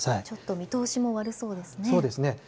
ちょっと見通しも悪そうですね。